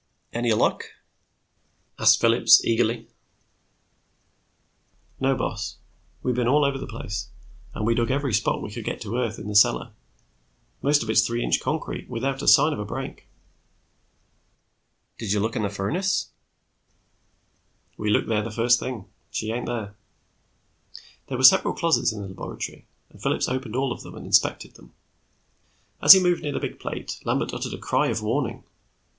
"Any luck?" asked Phillips eagerly. "No, boss. We been all over the place, and we dug every spot we could get to earth in the cellar. Most of it's three inch concrete, without a sign of a break." "Did you look in the furnace?" "We looked there the first thing. She ain't there." There were several closets in the laboratory, and Phillips opened all of them and inspected them. As he moved near the big plate, Lambert uttered a cry of warning.